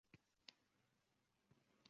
Meni kuzatyapsiz.